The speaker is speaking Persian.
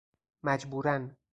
مجبوراً